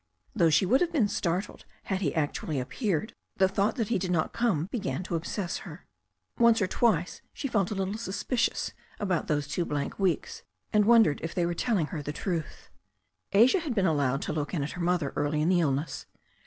Though she would have been startled had he actually appeared, the thought that he did not come began to obsess her. Once or twice she felt a little suspicious about those two blank weeks, and wondered if they were telling her the truth. Asia had been allowed to look in at her mother early in the illness.